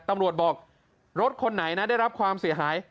ตำรวจบอกรถคนไหนนะได้รับความเสียหาย